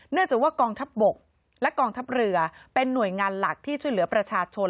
เนื่องจากว่ากองทัพบกและกองทัพเรือเป็นหน่วยงานหลักที่ช่วยเหลือประชาชน